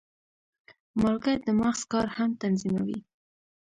مالګه د مغز کار هم تنظیموي.